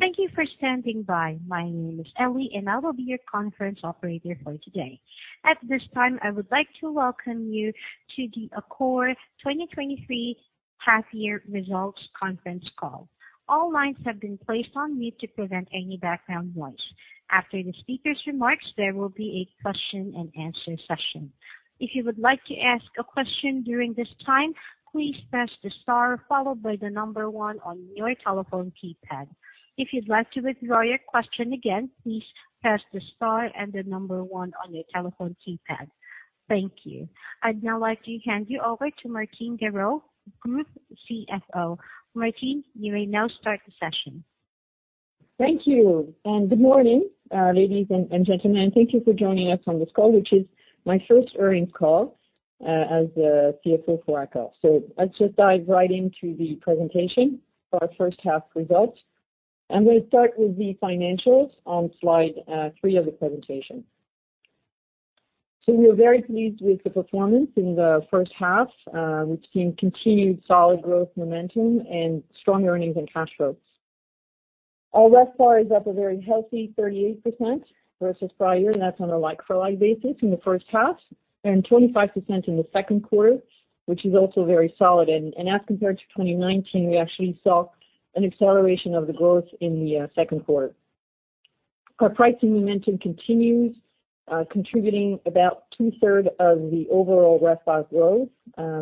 Thank you for standing by. My name is Ellie, and I will be your conference operator for today. At this time, I would like to welcome you to the Accor 2023 Half-Year Results Conference Call. All lines have been placed on mute to prevent any background noise. After the speaker's remarks, there will be a question-and-answer session. If you would like to ask a question during this time, please press the star followed by the number one on your telephone keypad. If you'd like to withdraw your question again, please press the star and the number one on your telephone keypad. Thank you. I'd now like to hand you over to Martine Gerow, Group CFO. Martine, you may now start the session. Thank you, and good morning, ladies and gentlemen. Thank you for joining us on this call, which is my first earnings call as the CFO for Accor. Let's just dive right into the presentation for our first half results. I'm going to start with the financials on slide three of the presentation. We are very pleased with the performance in the first half. We've seen continued solid growth, momentum, and strong earnings and cash flows. Our RevPAR is up a very healthy 38% versus prior year, and that's on a like-for-like basis in the first half, and 25% in the second quarter, which is also very solid. As compared to 2019, we actually saw an acceleration of the growth in the second quarter. Our pricing momentum continues, contributing about two-thirds of the overall RevPAR growth,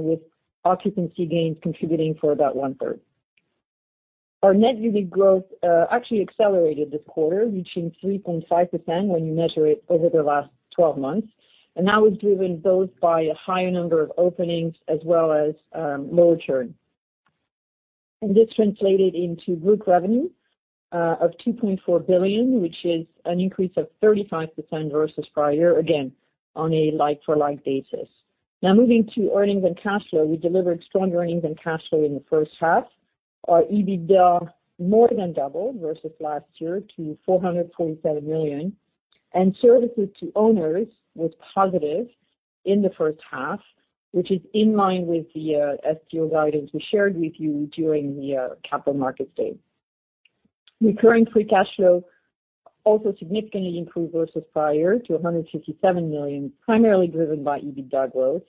with occupancy gains contributing for about one-third. Our net EBITDA growth actually accelerated this quarter, reaching 3.5% when you measure it over the last 12 months, and that was driven both by a higher number of openings as well as lower churn. This translated into group revenue of 2.4 billion, which is an increase of 35% versus prior year, again, on a like-for-like basis. Now, moving to earnings and cash flow. We delivered strong earnings and cash flow in the first half. Our EBITDA more than doubled versus last year to 447 million, and services to owners was positive in the first half, which is in line with the FTO guidance we shared with you during the Capital Markets Day. Recurring free cash flow also significantly improved versus prior to 157 million, primarily driven by EBITDA growth.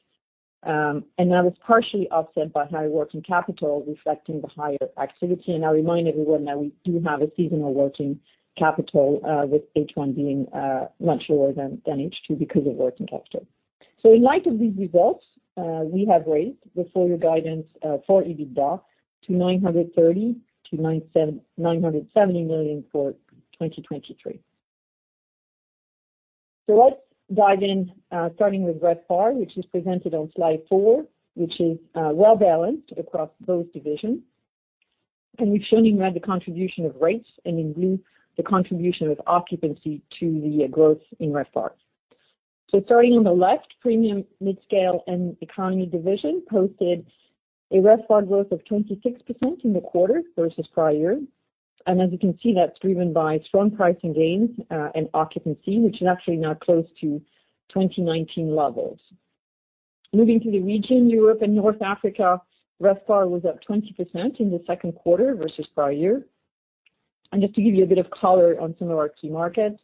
That was partially offset by high working capital, reflecting the higher activity. I remind everyone that we do have a seasonal working capital with H1 being much lower than H2 because of working capital. In light of these results, we have raised the full year guidance for EBITDA to 930 million-970 million for 2023. Let's dive in, starting with RevPAR, which is presented on slide four, which is well balanced across both divisions. We've shown in red the contribution of rates and in blue, the contribution of occupancy to the growth in RevPAR. Starting on the left, Premium, Midscale & Economy Division posted a RevPAR growth of 26% in the quarter versus prior year. As you can see, that's driven by strong pricing gains and occupancy, which is actually now close to 2019 levels. Moving to the region, Europe and North Africa, RevPAR was up 20% in the second quarter versus prior year. Just to give you a bit of color on some of our key markets,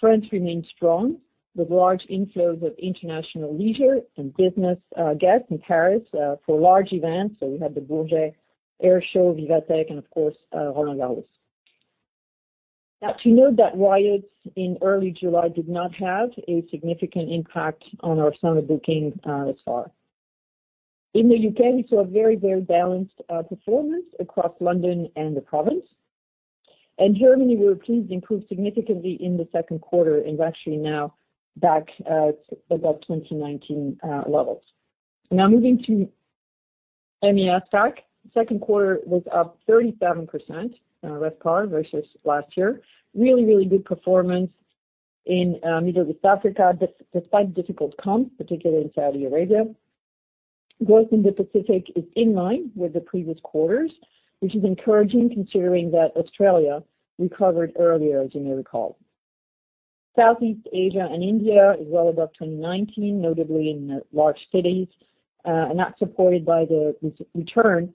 France remains strong, with large inflows of international leisure and business guests in Paris for large events. We had the Bourget Air Show, VivaTech, and of course, Roland-Garros. To note that riots in early July did not have a significant impact on our summer booking thus far. In the UK, we saw a very, very balanced performance across London and the province. Germany, we were pleased, improved significantly in the second quarter and is actually now back at about 2019 levels. Now moving to MEAPAC. Second quarter was up 37% RevPAR, versus last year. Really good performance in Middle East Africa, despite difficult comp, particularly in Saudi Arabia. Growth in the Pacific is in line with the previous quarters, which is encouraging considering that Australia recovered earlier, as you may recall. Southeast Asia and India is well above 2019, notably in the large cities, and that's supported by the return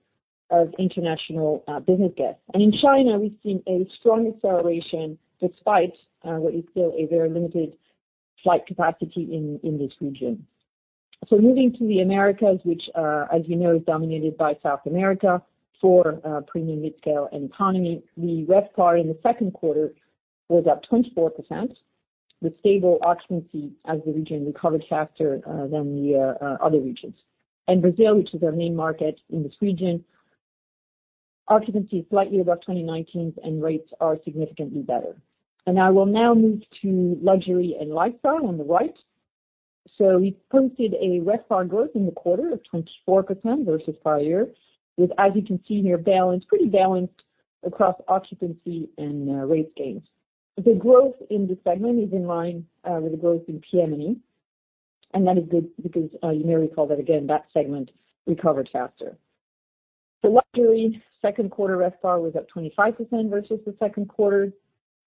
of international business guests. In China, we've seen a strong acceleration despite what is still a very limited flight capacity in this region. Moving to the Americas, which, as you know, is dominated by South America for Premium, Midscale & Economy. The RevPAR in the second quarter was up 24%, with stable occupancy as the region recovered faster than the other regions. In Brazil, which is our main market in this region, occupancy is slightly above 2019, and rates are significantly better. I will now move to Luxury and Lifestyle on the right. We posted a RevPAR growth in the quarter of 24% versus prior year, with, as you can see here, balanced, pretty balanced across occupancy and rate gains. The growth in this segment is in line with the growth in PM&E, and that is good because you may recall that again, that segment recovered faster. Luxury, second quarter RevPAR was up 25% versus the second quarter.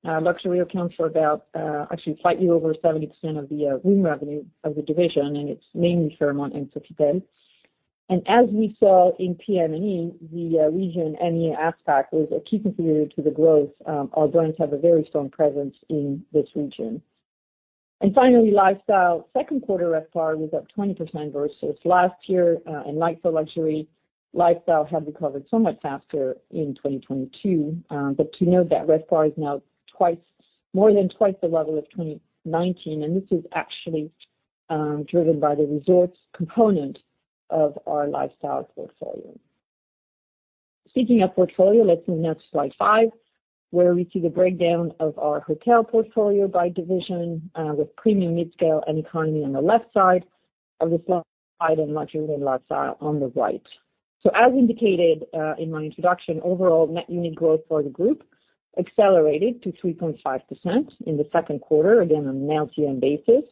Luxury accounts for about, actually slightly over 70% of the room revenue of the division, and it's mainly Fairmont and Sofitel. As we saw in PM&E, the region, MEAPAC, was a key contributor to the growth. Our brands have a very strong presence in this region. Finally, lifestyle. Second quarter RevPAR was up 20% versus last year, like for luxury, lifestyle have recovered so much faster in 2022. But to note that RevPAR is now more than twice the level of 2019, and this is actually driven by the resorts component of our lifestyle portfolio. Speaking of portfolio, let's see next, slide five, where we see the breakdown of our hotel portfolio by division, with Premium, Midscale, and Economy on the left side of the slide and Luxury and Lifestyle on the right. As indicated, in my introduction, overall net unit growth for the group accelerated to 3.5% in the second quarter, again, on an LTM basis,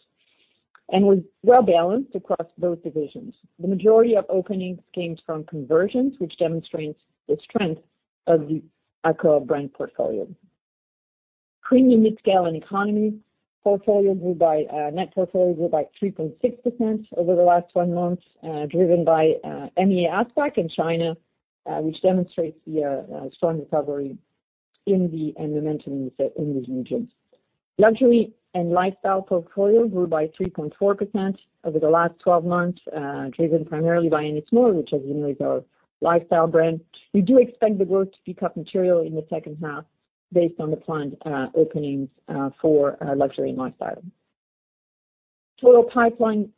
and was well balanced across both divisions. The majority of openings came from conversions, which demonstrates the strength of the Accor brand portfolio. Premium, Midscale, and Economy portfolio net portfolio grew by 3.6% over the last 12 months, driven by MEAPAC and China, which demonstrates the strong recovery in the and the momentum in these regions. Luxury and Lifestyle portfolio grew by 3.4% over the last 12 months, driven primarily by Ennismore, which as you know, is our lifestyle brand. We do expect the growth to pick up material in the second half based on the planned openings for our Luxury and Lifestyle. Total pipeline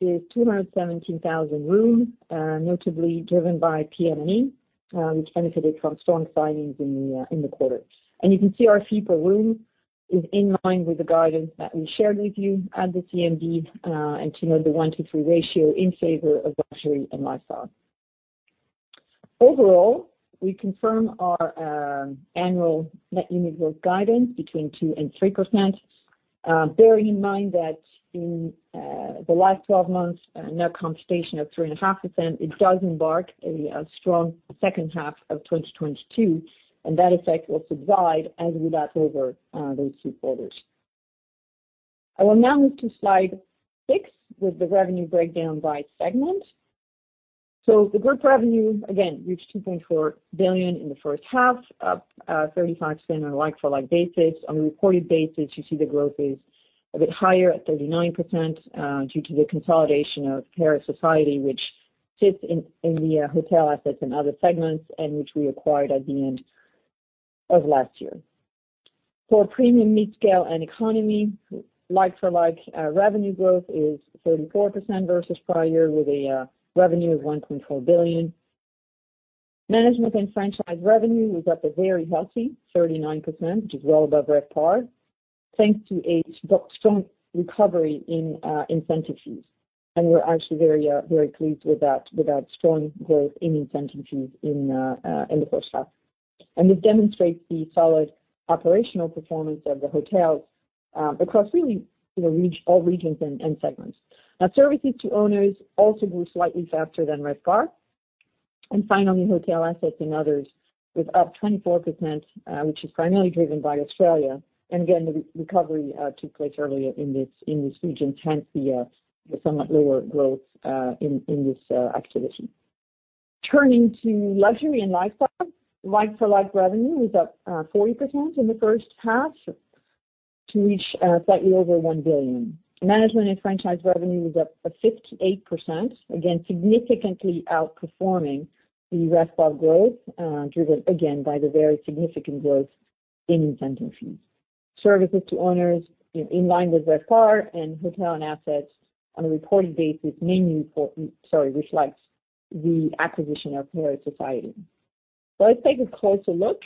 is 217,000 rooms, notably driven by PM&E, which benefited from strong signings in the quarter. You can see our fee per room is in line with the guidance that we shared with you at the CMD, and to note the one to three ratio in favor of Luxury and Lifestyle. Overall, we confirm our annual net unit growth guidance between 2% and 3%. Bearing in mind that in the last 12 months, net computation of 3.5%, it does embark a strong second half of 2022, that effect will survive as we lap over those two quarters. I will now move to slide six, with the revenue breakdown by segment. The group revenue, again, reached 2.4 billion in the first half, up 35% on a like-for-like basis. On a reported basis, you see the growth is a bit higher at 39%, due to the consolidation of Paris Society, which sits in the hotel assets and other segments, and which we acquired at the end of last year. For Premium, Midscale & Economy, like-for-like revenue growth is 34% versus prior year, with a revenue of 1.4 billion. Management and franchise revenue was up a very healthy 39%, which is well above RevPAR, thanks to a strong recovery in incentive fees. We're actually very, very pleased with that, with that strong growth in incentive fees in the first half. This demonstrates the solid operational performance of the hotels, you know, across really all regions and segments. Now, services to owners also grew slightly faster than RevPAR. Finally, hotel assets and others was up 24%, which is primarily driven by Australia. Again, the recovery took place earlier in this region, hence the somewhat lower growth in this activity. Turning to Luxury and Lifestyle, like-for-like revenue was up 40% in the first half to reach slightly over 1 billion. Management and franchise revenue was up by 58%, again, significantly outperforming the RevPAR growth, driven again by the very significant growth in incentive fees. Services to owners in line with RevPAR, and hotel and assets on a reported basis, mainly sorry, reflects the acquisition of [Paris] Society. Let's take a closer look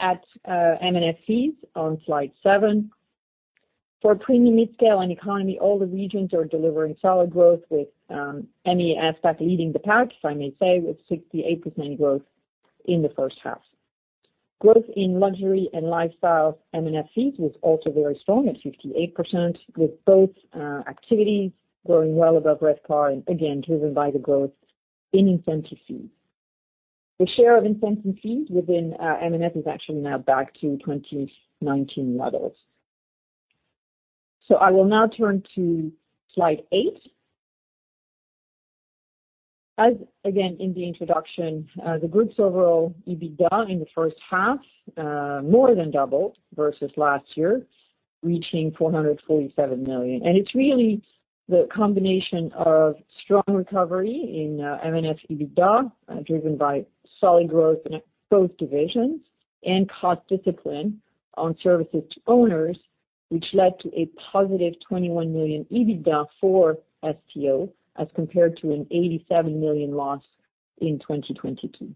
at M&F fees on slide seven. For Premium, Midscale, and Economy, all the regions are delivering solid growth, with MEAPAC leading the pack, if I may say, with 68% growth in the first half. Growth in Luxury and Lifestyle, M&F fees was also very strong at 58%, with both activities growing well above RevPAR, and again, driven by the growth in incentive fees. The share of incentive fees within M&F is actually now back to 2019 levels. I will now turn to slide eight. Again, in the introduction, the group's overall EBITDA in the first half, more than doubled versus last year, reaching 447 million. It's really the combination of strong recovery in M&F EBITDA, driven by solid growth in both divisions and cost discipline on services to owners, which led to a positive 21 million EBITDA for FTO, as compared to an 87 million loss in 2022.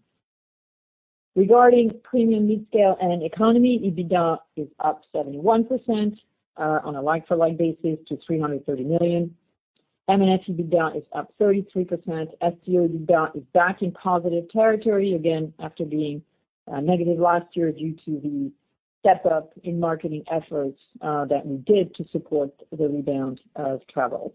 Regarding Premium, Midscale, and Economy, EBITDA is up 71% on a like-for-like basis to 330 million. M&F EBITDA is up 33%. FTO EBITDA is back in positive territory, again, after being negative last year, due to the step up in marketing efforts that we did to support the rebound of travel.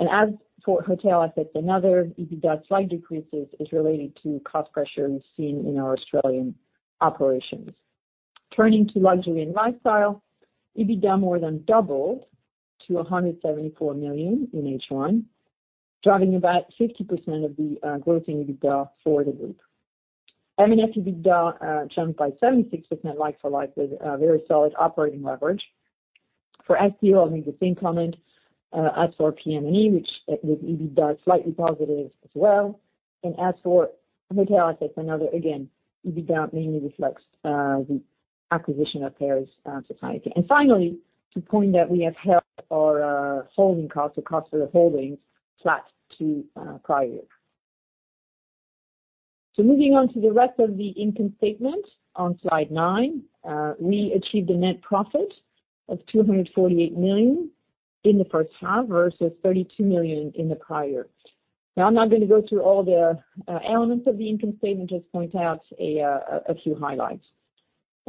As for hotel assets, another EBITDA slight decreases is related to cost pressures seen in our Australian operations. Turning to Luxury and Lifestyle, EBITDA more than doubled to 174 million in H1, driving about 50% of the growth in EBITDA for the group. M&F EBITDA jumped by 76% like-for-like with very solid operating leverage. For FTO, I'll make the same comment. As for PM&E, which with EBITDA slightly positive as well, and as for hotel assets, another, again, EBITDA mainly reflects the acquisition of Paris Society. Finally, to point that we have held our holding costs, the cost of the holdings flat to prior year. Moving on to the rest of the income statement on slide nine, we achieved a net profit of 248 million in the first half versus 32 million in the prior year. I'm not going to go through all the elements of the income statement,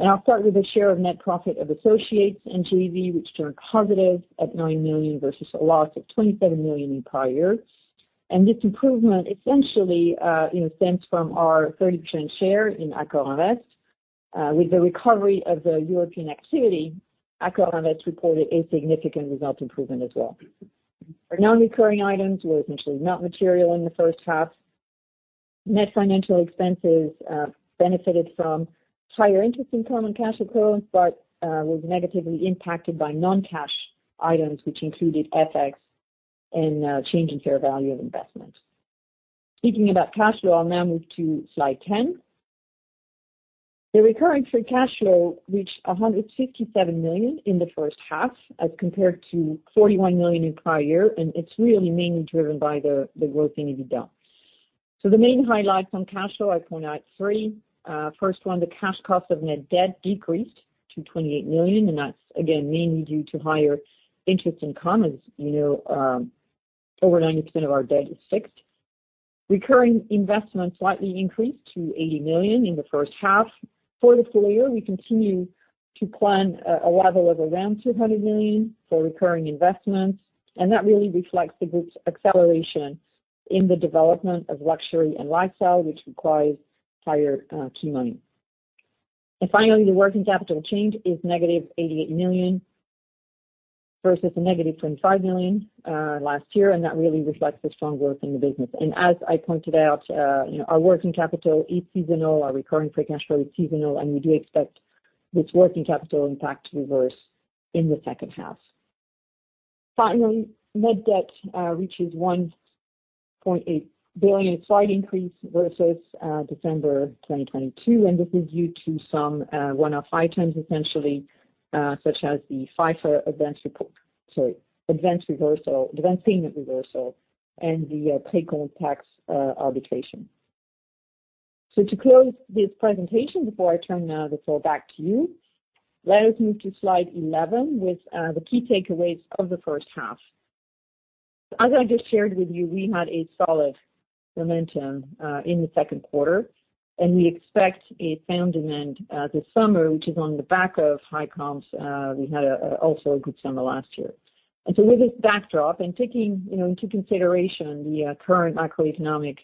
just point out a few highlights. I'll start with a share of net profit of associates and JV, which turned positive at 9 million versus a loss of 27 million in prior year. This improvement essentially, you know, stems from our 30% share in AccorInvest. With the recovery of the European activity, AccorInvest reported a significant result improvement as well. Our non-recurring items were essentially not material in the first half. Net financial expenses benefited from higher interest income on cash flows, but was negatively impacted by non-cash items, which included FX and change in fair value of investment. Speaking about cash flow, I'll now move to slide 10. The recurring free cash flow reached 167 million in the first half, as compared to 41 million in prior year. It's really mainly driven by the growth in EBITDA. The main highlights on cash flow, I point out three. First one, the cash cost of net debt decreased to 28 million. That's again, mainly due to higher interest and commons, you know, over 90% of our debt is fixed. Recurring investments slightly increased to 80 million in the first half. For the full year, we continue to plan a level of around 200 million for recurring investments. That really reflects the group's acceleration in the development of Luxury and Lifestyle, which requires higher key money. The working capital change is negative 88 million versus a negative 25 million last year, and that really reflects the strong growth in the business. As I pointed out, you know, our working capital is seasonal, our recurring free cash flow is seasonal, and we do expect this working capital impact to reverse in the second half. Finally, Net debt reaches 1.8 billion, slight increase versus December 2022, and this is due to some one-off items essentially, such as the FIFA events report, events reversal, event payment reversal and the pay-go tax arbitration. To close this presentation, before I turn now the floor back to you, let us move to slide 11, with the key takeaways of the first half. As I just shared with you, we had a solid momentum in the second quarter. We expect a sound demand this summer, which is on the back of high comps. We had also a good summer last year. With this backdrop and taking, you know, into consideration the current macroeconomic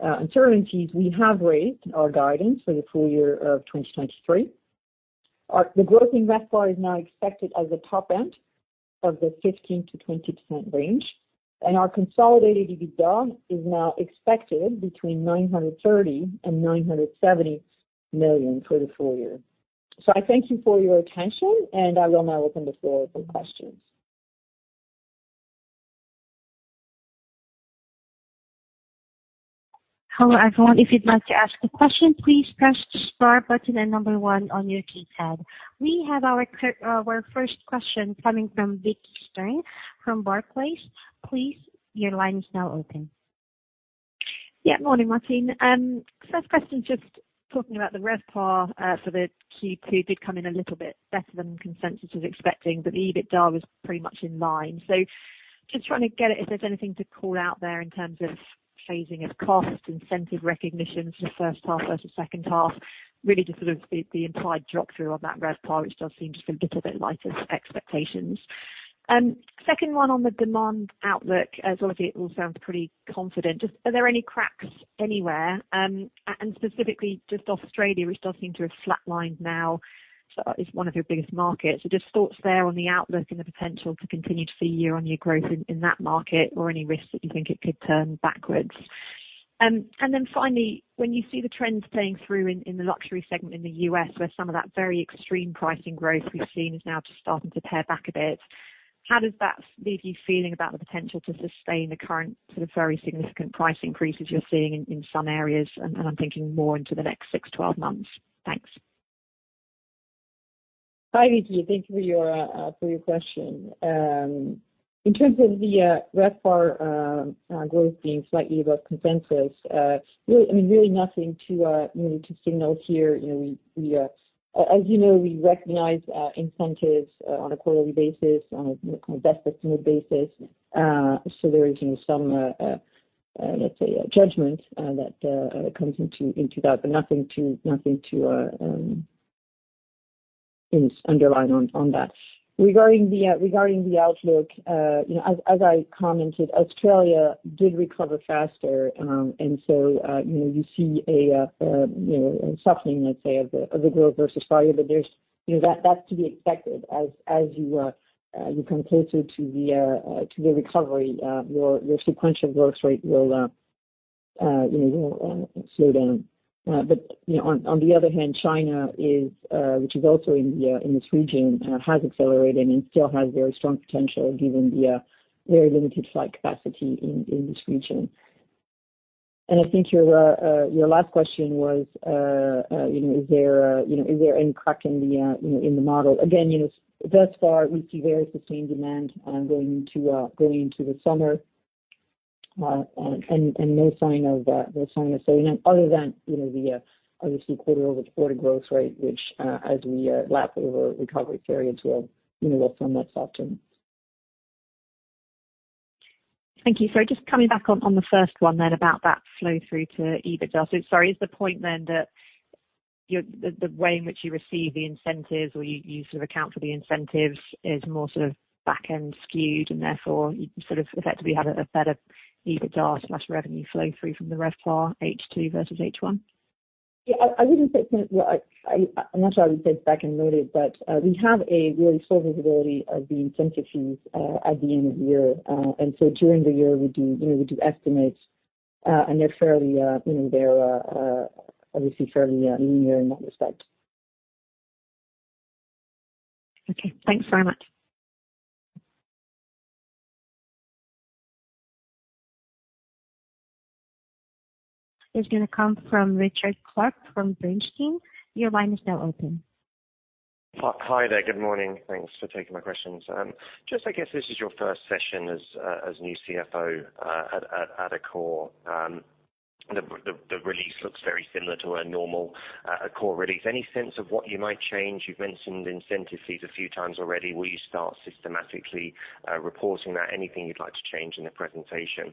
uncertainties, we have raised our guidance for the full year of 2023. The growth in RevPAR is now expected at the top end of the 15%-20% range. Our consolidated EBITDA is now expected between 930 million and 970 million for the full year. I thank you for your attention. I will now open the floor for questions. Hello, everyone. If you'd like to ask a question, please press the star button and number one on your keypad. We have our first question coming from Vicki Stern from Barclays. Please, your line is now open. Morning, Martine. First question, just talking about the RevPAR for the Q2 did come in a little bit better than consensus was expecting, but the EBITDA was pretty much in line. Just trying to get it, if there's anything to call out there in terms of phasing of cost, incentive recognitions for first half versus second half, really just sort of the implied drop through on that RevPAR, which does seem just a little bit lighter than expectations. Second one on the demand outlook, as obviously, it all sounds pretty confident. Just are there any cracks anywhere? Specifically, just Australia, which does seem to have flatlined now, so is one of your biggest markets. Just thoughts there on the outlook and the potential to continue to see year-on-year growth in that market or any risks that you think it could turn backwards. Finally, when you see the trends playing through in the luxury segment in the U.S., where some of that very extreme pricing growth we've seen is now just starting to pare back a bit, how does that leave you feeling about the potential to sustain the current sort of very significant price increases you're seeing in some areas? I'm thinking more into the next 6, 12 months. Thanks. Hi, Vicki. Thank you for your for your question. In terms of the RevPAR growth being slightly above consensus, really, I mean, really nothing to, you know, to signal here. You know, we, as you know, we recognize incentives on a quarterly basis, on a best estimate basis. There is, you know, some, let's say, a judgment that comes into that, but nothing to underline on that. Regarding the outlook, you know, as I commented, Australia did recover faster. You know, you see a, you know, a softening, let's say, of the, of the growth versus value, but there's, you know, that's to be expected. As you come closer to the, to the recovery, your sequential growth rate will, you know, slow down. You know, on the other hand, China is, which is also in this region, has accelerated and still has very strong potential given the, very limited flight capacity in this region. I think your last question was, you know, is there, you know, is there any crack in the, you know, in the model? Again, you know, thus far, we see very sustained demand, going into the summer. No sign of slowing, other than, you know, the obviously quarter-over-quarter growth rate, which, as we, lap over recovery periods will, you know, slow down slightly. Thank you. Just coming back on the first one then about that flow-through to EBITDA. Sorry, is the point then that The way in which you receive the incentives or you sort of account for the incentives is more sort of back-end skewed, and therefore you sort of effectively have a better EBITDA/revenue flow-through from the RevPAR H2 versus H1? Yeah, I wouldn't say, well, I'm not sure I would say back-end loaded, but we have a really solid visibility of the incentive fees at the end of the year. During the year, we do, you know, we do estimates, and they're fairly, you know, they're obviously fairly linear in that respect. Okay, thanks very much. Is going to come from Richard Clarke from Bernstein. Your line is now open. Hi there. Good morning. Thanks for taking my questions. Just I guess this is your first session as new CFO at Accor. The release looks very similar to a normal Accor release. Any sense of what you might change? You've mentioned incentive fees a few times already. Will you start systematically reporting that? Anything you'd like to change in the presentation?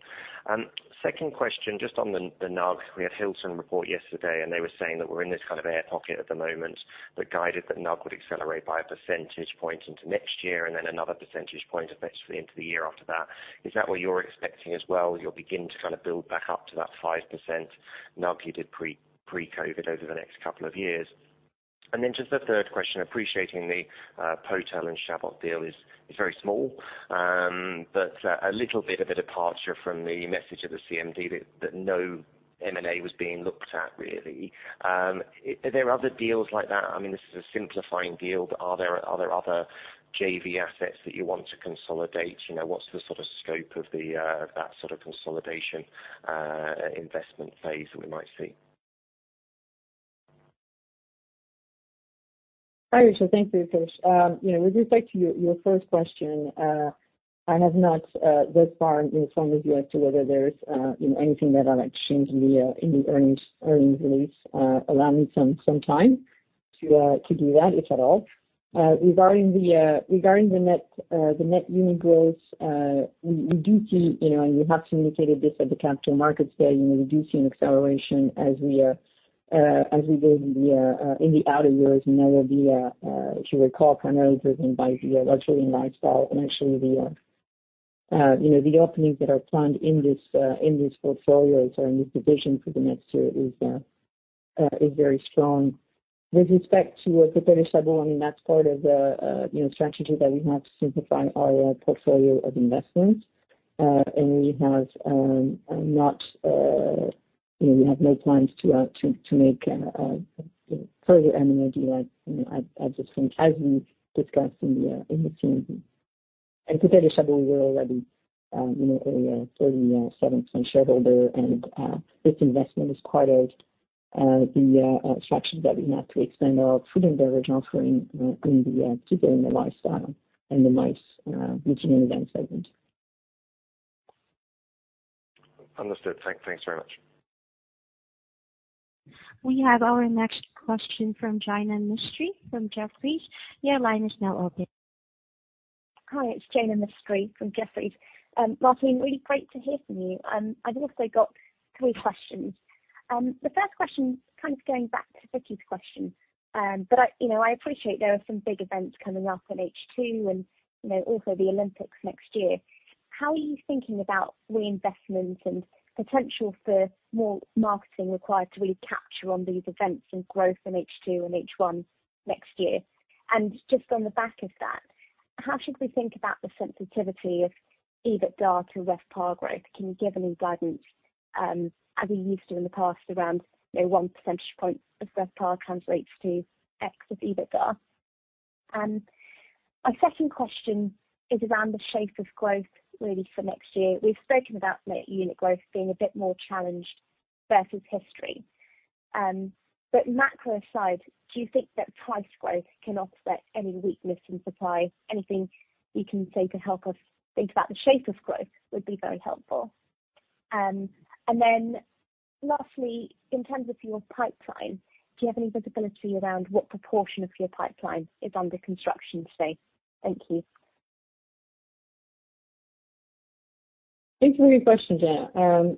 Second question, just on the NUG. We had Hilton report yesterday, and they were saying that we're in this kind of air pocket at the moment, but guided that NUG would accelerate by a percentage point into next year and then another percentage point effectively into the year after that. Is that what you're expecting as well? You'll begin to kind of build back up to that 5% NUG you did pre-COVID over the next couple of years. Just a third question, appreciating the Potel & Chabot deal is very small, but a little bit of a departure from the message of the CMD that no M&A was being looked at really. Are there other deals like that? I mean, this is a simplifying deal, but are there other JV assets that you want to consolidate? You know, what's the sort of scope of the of that sort of consolidation, investment phase that we might see? Hi, Richard. Thank you for your question. You know, with respect to your first question, I have not thus far informed you as to whether there's, you know, anything that I'd like to change in the earnings release. Allow me some time to do that, if at all. Regarding the net unit growth, we do see, you know, and we have communicated this at the Capital Markets Day, you know, we do see an acceleration as we go in the outer years. That will be, if you recall, primarily driven by the Luxury and Lifestyle. Actually, the, you know, the openings that are planned in this, in this portfolio or in this division for the next year is very strong. With respect to Potel & Chabot, I mean, that's part of the, you know, strategy that we have to simplify our portfolio of investments. And we have, you know, we have no plans to make further M&A deals, you know, at this point, as we discussed in the CMD. Potel & Chabot, we're already, you know, a 37% shareholder, and this investment is part of the strategy that we have to extend our footprint, our original footprint in the particularly in the lifestyle and the nice premium segment. Understood. Thanks very much. We have our next question from Jaina Mistry from Jefferies. Your line is now open. Hi, it's Jaina Mistry from Jefferies. Martine, really great to hear from you. I've also got three questions. The first question, kind of going back to Vicki's question. I, you know, I appreciate there are some big events coming up in H2 and, you know, also the Olympics next year. How are you thinking about reinvestment and potential for more marketing required to really capture on these events and growth in H2 and H1 next year? And just on the back of that, how should we think about the sensitivity of EBITDA to RevPAR growth? Can you give any guidance, as you used to in the past, around, you know, 1 percentage point of RevPAR translates to X of EBITDA? My second question is around the shape of growth really for next year. We've spoken about net unit growth being a bit more challenged versus history. Macro aside, do you think that price growth can offset any weakness in supply? Anything you can say to help us think about the shape of growth would be very helpful. Lastly, in terms of your pipeline, do you have any visibility around what proportion of your pipeline is under construction today? Thank you. Thank you for your question, Jaina.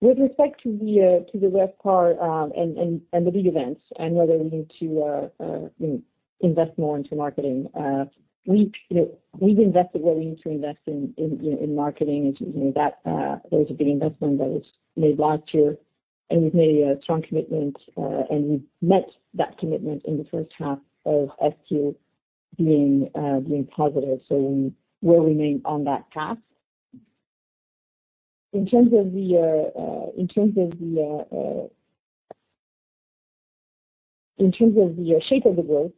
With respect to the to the west part, and the big events and whether we need to, you know, invest more into marketing, we, you know, we've invested what we need to invest in marketing. You know, that there was a big investment that was made last year, and we've made a strong commitment, and we've met that commitment in the first half of SQ being positive. We will remain on that path. In terms of the, in terms of the. In terms of the shape of the growth,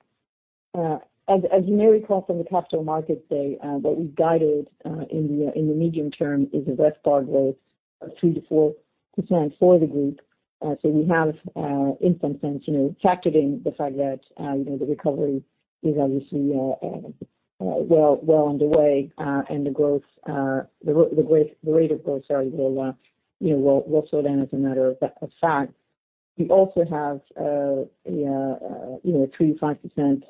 as you may recall from the Capital Markets Day, what we've guided in the medium term in the RevPAR growth of 3%-4% for the group. We have, in some sense, you know, factored in the fact that, you know, the recovery is obviously well underway, and the growth, the rate of growth, sorry, will, you know, will slow down as a matter of fact. We also have, you know, 3%-5%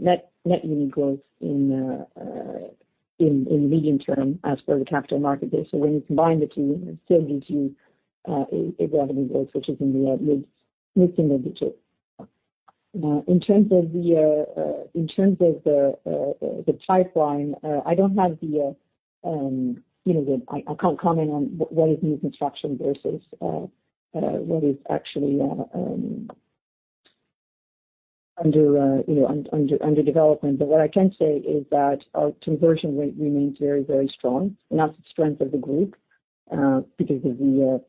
net unit growth in the medium term as per the Capital Markets Day. When you combine the two, it still gives you a revenue growth, which is in the mid-mid single digits. In terms of the pipeline, I can't comment on what is new construction versus what is actually under development. What I can say is that our conversion rate remains very, very strong, and that's the strength of the group, because of the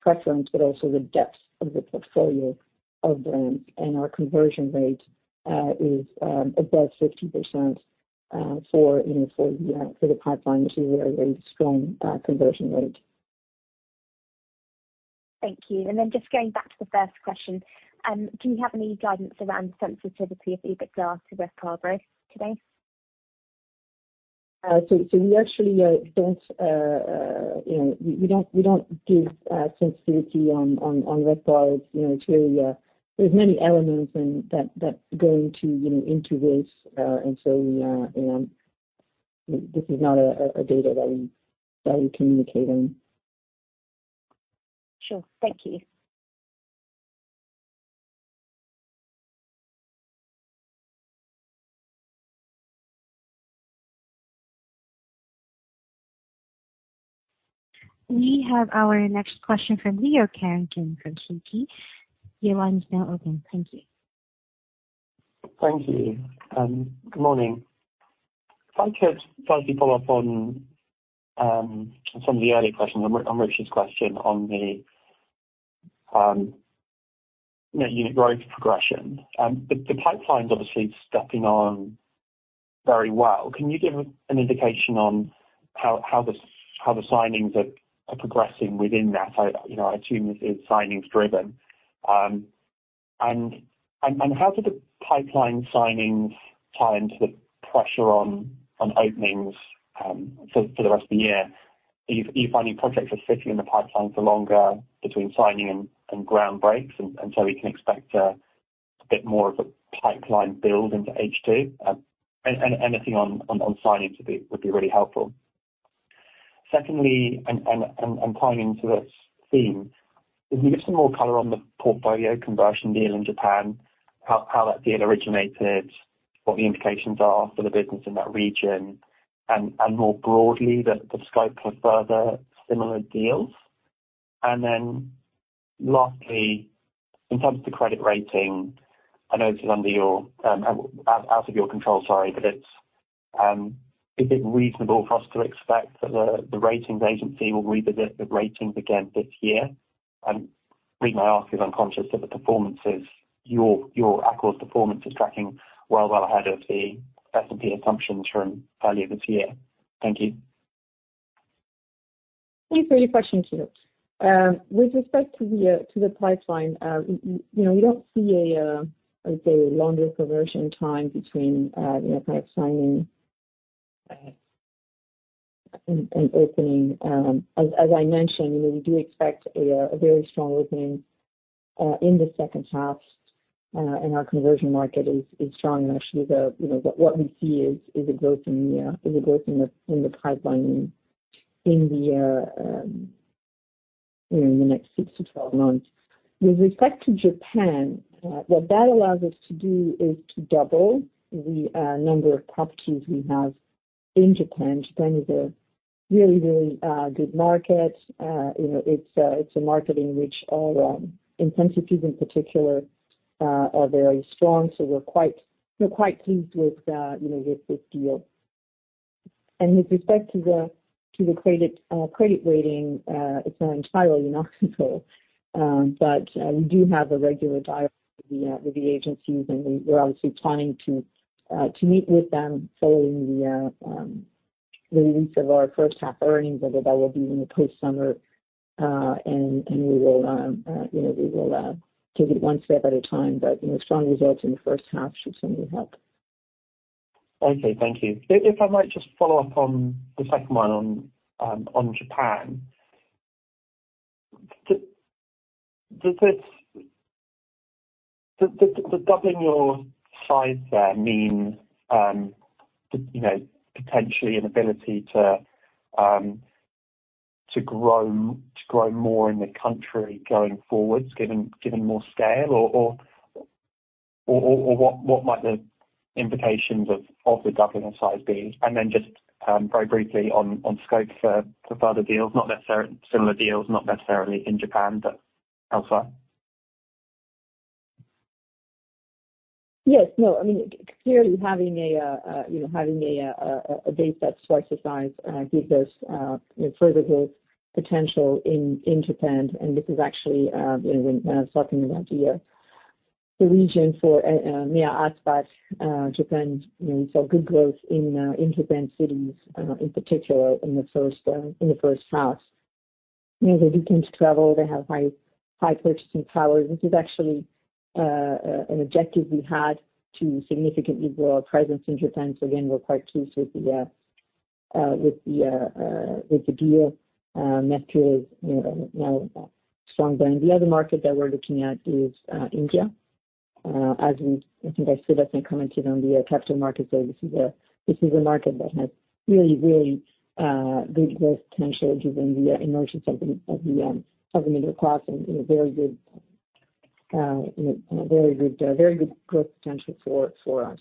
preference, but also the depth of the portfolio of brands. Our conversion rate is above 50% for the pipeline, which is a very, very strong conversion rate. Thank you. Then just going back to the first question, do you have any guidance around the sensitivity of EBITDA to RevPAR growth today? We actually don't, you know, we don't give sensitivity on West Palm. You know, it's really, there's many elements in that go into, you know, into this, we, you know, this is not a data that we communicate on. Sure. Thank you. We have our next question from Leo Carrington from Citi. Your line is now open. Thank you. Thank you. Good morning. If I could firstly follow up on some of the earlier questions, on Richard's question on the, you know, unit growth progression. The pipeline's obviously stepping on very well. Can you give an indication on how the signings are progressing within that? I, you know, I assume this is signings driven. How do the pipeline signings tie into the pressure on openings for the rest of the year? Are you finding projects are sitting in the pipeline for longer between signing and ground breaks, so we can expect a bit more of a pipeline build into H2? Anything on signings would be really helpful. Secondly, and tying into this theme, can you give some more color on the portfolio conversion deal in Japan? How that deal originated, what the implications are for the business in that region, and more broadly, the scope for further similar deals? Lastly, in terms of the credit rating, I know this is under your out of your control, sorry, but it's, is it reasonable for us to expect that the ratings agency will revisit the ratings again this year? The reason I ask is I'm conscious that the performance is Accor's performance is tracking well ahead of the S&P assumptions from earlier this year. Thank you. Thanks for your question, Leo. With respect to the to the pipeline, you know, we don't see a, I'd say, a longer conversion time between, you know, kind of signing, and opening. As I mentioned, you know, we do expect a very strong opening in the second half, and our conversion market is strong. Actually, you know, what we see is a growth in the in the pipeline in the, you know, in the next 6 to 12 months. With respect to Japan, what that allows us to do is to double the number of properties we have in Japan. Japan is a really, really good market. You know, it's a market in which all intensives in particular are very strong, so we're quite pleased with, you know, with this deal. With respect to the credit rating, it's not entirely not in control, but we do have a regular dialogue with the agencies, and we're obviously planning to meet with them following the release of our first half earnings, although that will be in the post-summer. We will, you know, we will take it one step at a time, but, you know, strong results in the first half should certainly help. Okay, thank you. If I might just follow up on the second one on Japan. Does doubling your size there mean, you know, potentially an ability to grow more in the country going forwards, given more scale? Or what might the implications of the doubling in size be? Then just very briefly on scope for further deals, not necessarily similar deals, not necessarily in Japan, but elsewhere. Yes, no, I mean, clearly having a, you know, having a base that size to size gives us, you know, further growth potential in Japan. This is actually, you know, when talking about the region for near us, but Japan, you know, saw good growth in Japan cities, in particular in the first half. You know, they do tend to travel, they have high purchasing power. This is actually an objective we had to significantly grow our presence in Japan. Again, we're quite pleased with the deal. Meister is, you know, now a strong brand. The other market that we're looking at is India. I think I said, as I commented on the Capital Markets Day, this is a market that has really good growth potential given the emergence of the middle class and, you know, very good growth potential for us.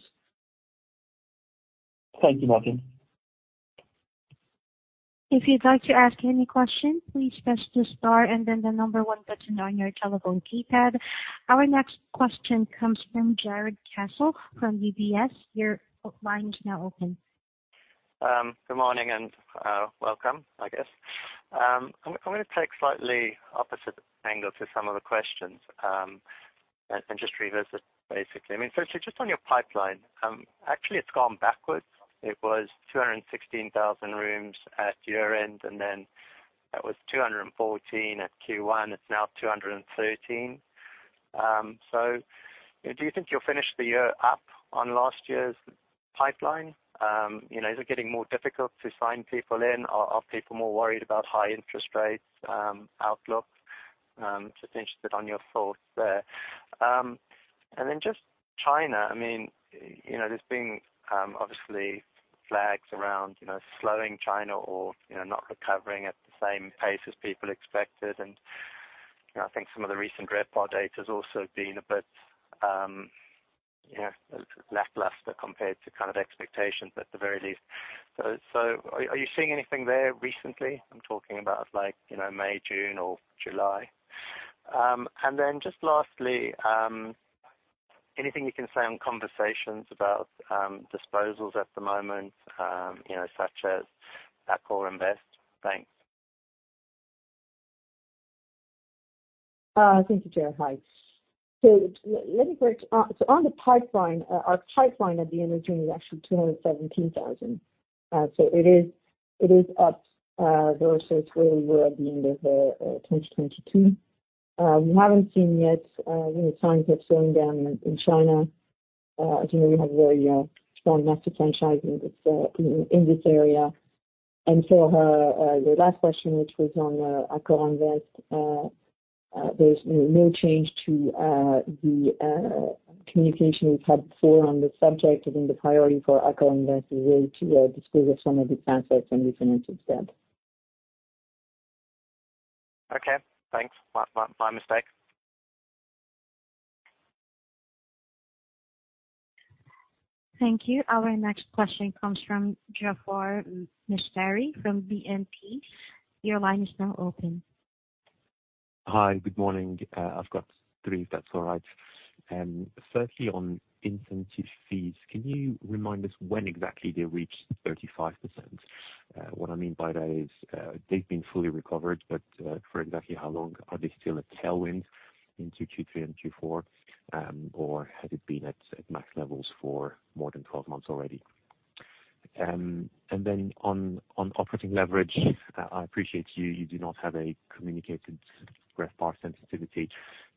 Thank you, Martine. If you'd like to ask any question, please press the star and then the number one button on your telephone keypad. Our next question comes from Jarrod Castle from UBS. Your line is now open. Good morning and welcome, I guess. I'm gonna take a slightly opposite angle to some of the questions, just revisit, basically. I mean, firstly, just on your pipeline, actually, it's gone backwards. It was 216,000 rooms at year-end, it was 214 at Q1. It's now 213. Do you think you'll finish the year up on last year's pipeline? You know, is it getting more difficult to sign people in, or are people more worried about high interest rates, outlook? Just interested on your thoughts there. Just China, I mean, you know, there's been, obviously flags around, you know, slowing China or, you know, not recovering at the same pace as people expected. You know, I think some of the recent RevPAR data has also been a bit, you know, lackluster compared to kind of expectations, at the very least. Are you seeing anything there recently? I'm talking about like, you know, May, June or July. Then just lastly, anything you can say on conversations about disposals at the moment, you know, such as AccorInvest? Thanks. Thank you, Jarrod. Hi. On the pipeline, our pipeline at the end of June is actually 217,000. It is up versus where we were at the end of 2022. We haven't seen yet, you know, signs of slowing down in China. As you know, we have a very strong master franchising with in this area. Your last question, which was on AccorInvest, there's no change to the communication we've had before on this subject. I mean, the priority for AccorInvest is really to dispose of some of its assets and refinance debt. Okay, thanks. My mistake. Thank you. Our next question comes from Jaafar Mestari, from BNP. Your line is now open. Hi, good morning. I've got three, if that's all right. Firstly, on incentive fees, can you remind us when exactly they reached 35%? What I mean by that is, they've been fully recovered, but for exactly how long? Are they still a tailwind into Q3 and Q4, or has it been at max levels for more than 12 months already? On operating leverage, I appreciate you do not have a communicated RevPAR sensitivity.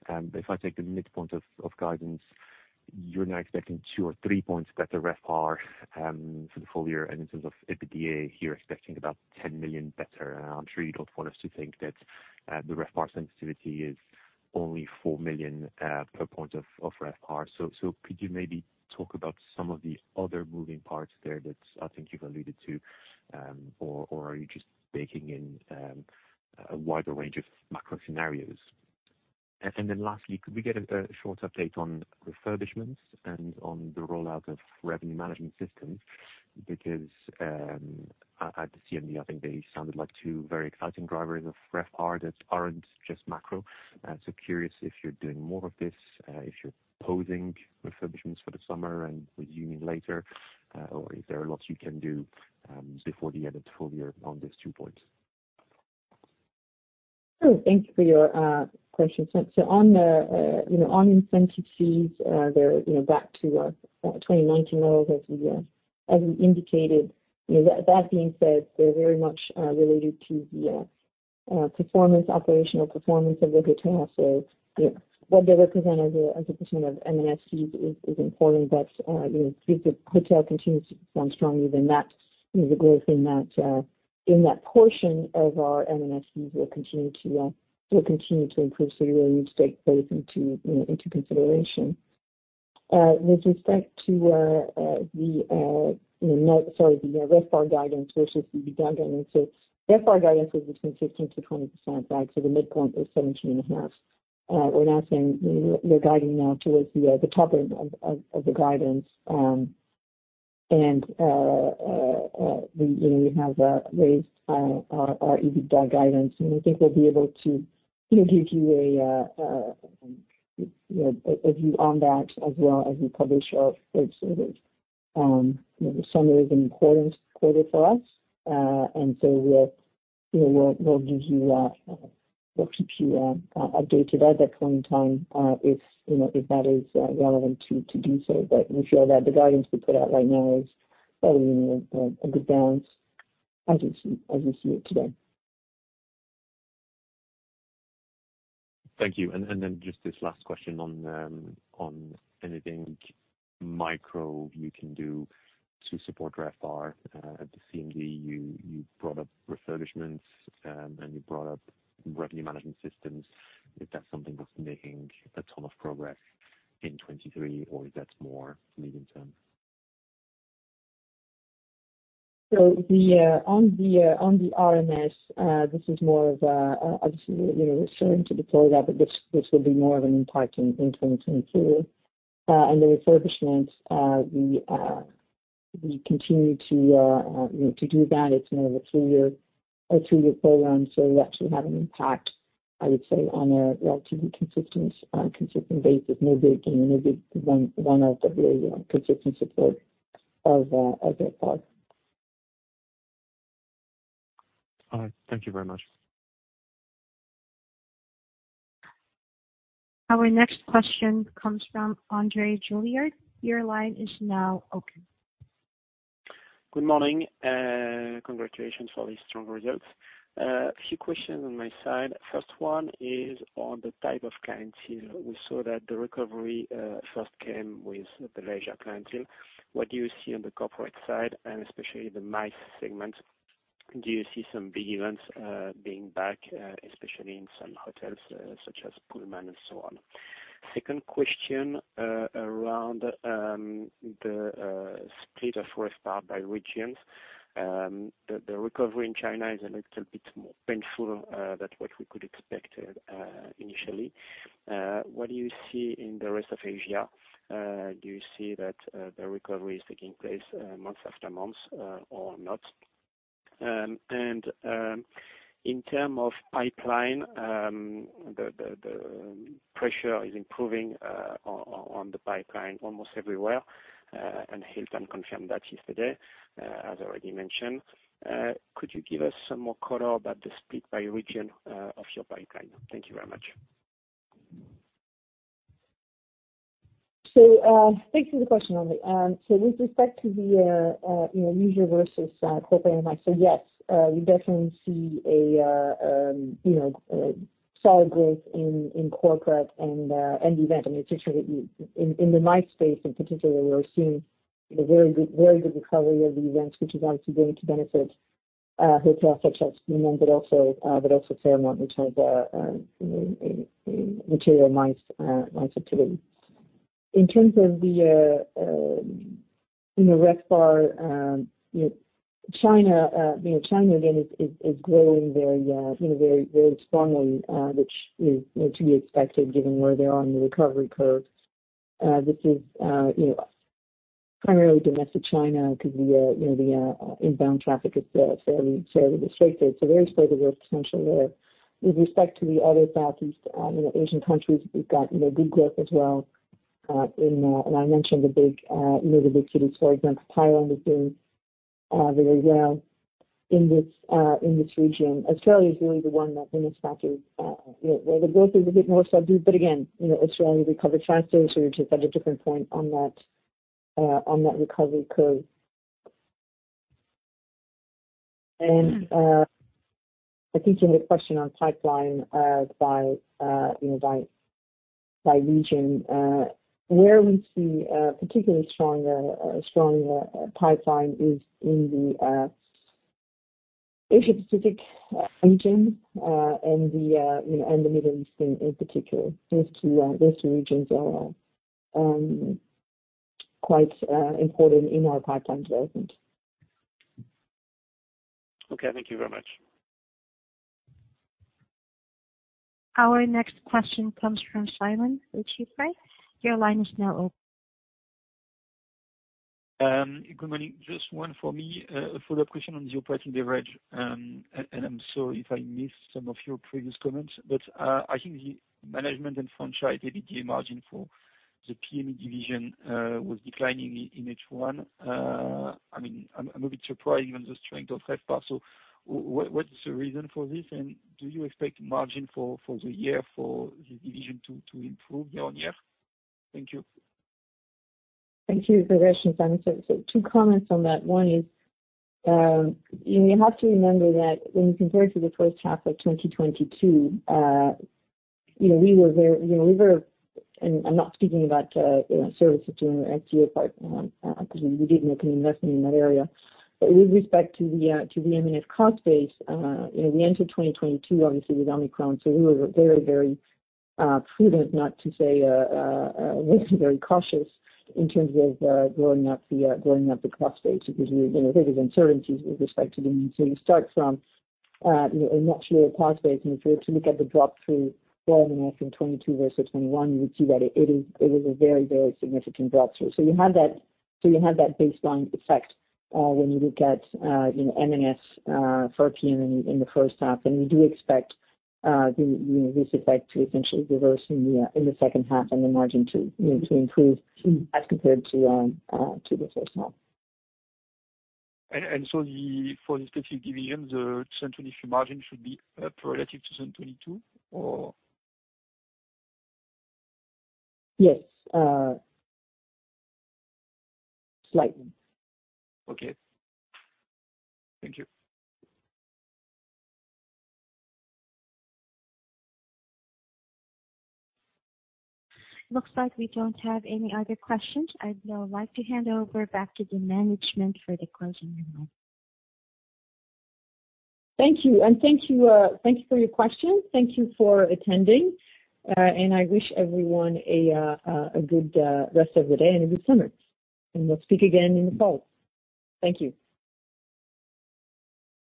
If I take the midpoint of guidance, you're now expecting tw or three points better RevPAR for the full year. In terms of EBITDA, you're expecting about 10 million better. I'm sure you don't want us to think that the RevPAR sensitivity is only 4 million per point of RevPAR. Could you maybe talk about some of the other moving parts there that I think you've alluded to? Or are you just baking in a wider range of macro scenarios? Lastly, could we get a short update on refurbishments and on the rollout of revenue management systems? Because at the CMD, I think they sounded like two very exciting drivers of RevPAR that aren't just macro. Curious if you're doing more of this, if you're pausing refurbishments for the summer and resuming later, or is there a lot you can do before the end of the full year on these two points? Sure. Thank you for your question. On the, you know, on incentive fees, they're, you know, back to 2019 levels, as we indicated. You know, that being said, they're very much related to the performance, operational performance of the hotel. You know, what they represent as a percent of M&F fees is important. You know, if the hotel continues to perform strongly, then that, you know, the growth in that portion of our M&F fees will continue to, will continue to improve. You really need to take both into, you know, into consideration. With respect to the, you know, sorry, the RevPAR guidance versus the EBITDA guidance. RevPAR guidance is between 16%-20%, right? The midpoint is 17.5. We're now saying, you know, we're guiding now towards the top end of the guidance. We, you know, we have raised our EBITDA guidance, and I think we'll be able to, you know, give you a, you know, a view on that as well as we publish our results. You know, the summer is an important quarter for us, we'll, you know, we'll give you, we'll keep you updated at that point in time, if, you know, if that is relevant to do so. We feel that the guidance we put out right now is probably, you know, a good balance as we see it today. Thank you. Just this last question on anything micro you can do to support RevPAR. At the CMD, you brought up refurbishments, and you brought up revenue management systems. If that's something that's making a ton of progress in 2023, or if that's more medium term? On the on the RMS, this is more of a, obviously, you know, starting to deploy that, but this will be more of an impact in 2022, and the refurbishment, we continue to, you know, to do that. It's more of a two-year program, so we actually have an impact, I would say, on a relatively consistent basis, maybe again, maybe one of the consistent support of RevPAR. All right. Thank you very much. Our next question comes from André Juillard. Your line is now open. Good morning, congratulations for these strong results. A few questions on my side. First one is on the type of clientele. We saw that the recovery first came with the leisure clientele. What do you see on the corporate side, and especially the MICE segment? Do you see some big events being back, especially in some hotels, such as Pullman and so on? Second question around the split of RevPAR by regions. The recovery in China is a little bit more painful than what we could expect initially. What do you see in the rest of Asia? Do you see that the recovery is taking place month after month, or not? In term of pipeline, the pressure is improving on the pipeline almost everywhere, and Hilton confirmed that yesterday, as already mentioned. Could you give us some more color about the split by region of your pipeline? Thank you very much. Thank you for the question, André. So, with respect to the, you know, leisure versus corporate and MICE, yes, we definitely see a, you know, solid growth in corporate and event. And in particular, in the MICE space in particular, we are seeing a very good recovery of the events, which is obviously going to benefit hotels such as Pullman, but also, but also Fairmont, which has a material MICE activity. In terms of the, you know, RevPAR, you know, China, you know, China again, is, is growing very, you know, very strongly, which is, you know, to be expected given where they are on the recovery curve. This is, you know, primarily domestic China, because the, you know, the, inbound traffic is, fairly restricted. Very stable growth potential there. With respect to the other Southeast Asian countries, we've got, you know, good growth as well, in, and I mentioned the big, you know, the big cities, for example, Thailand is doing, very well in this, in this region. Australia is really the one that we expect to, you know, where the growth is a bit more subdued. Again, you know, Australia recovered faster, so they're just at a different point on that, on that recovery curve. I think you had a question on pipeline, by, you know, by region. Where we see a particularly stronger pipeline is in the Asia Pacific region, and the, you know, and the Middle East in particular. Those two regions are quite important in our pipeline development. Okay. Thank you very much. Our next question comes from Simon Lechipre. Your line is now open. Good morning. Just one for me, a follow-up question on the operating leverage. I'm sorry if I missed some of your previous comments, but, I think the management and franchise EBITDA margin for the PM&E division, was declining in H1. I mean, I'm a bit surprised on the strength of RevPAR. What is the reason for this? Do you expect margin for the year for the division to improve year-on-year? Thank you. Thank you for the question, Simon. Two comments on that. One is, you have to remember that when you compare to the first half of 2022, I'm not speaking about, you know, services of doing [SEO part], because we did make an investment in that area. With respect to the M&F cost base, you know, we entered 2022, obviously, with Omicron, so we were very prudent, not to say very cautious in terms of growing up the cost base because, you know, there was uncertainties with respect to the need. You start from a natural cost base, and if you were to look at the drop through volume, I think 22 versus 21, you would see that it is a very, very significant drop through. You have that baseline effect, when you look at, you know, M&S, for PM&E in the first half, and we do expect, you know, this effect to essentially reverse in the second half and the margin to, you know, to improve as compared to the first half. The, for the specific division, the 2023 margin should be, relative to 2022, or? Yes, slightly. Okay. Thank you. Looks like we don't have any other questions. I'd now like to hand over back to the management for the closing remarks. Thank you for your questions. Thank you for attending. I wish everyone a good rest of the day and a good summer, and we'll speak again in the fall. Thank you.